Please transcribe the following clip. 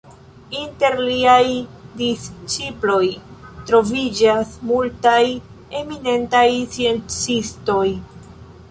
Inter liaj disĉiploj troviĝas multaj eminentaj sciencistoj.